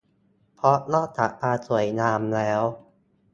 เพราะนอกจากความสวยงามแล้ว